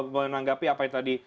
menanggapi apa yang tadi